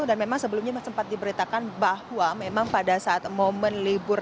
memang sebelumnya sempat diberitakan bahwa memang pada saat momen libur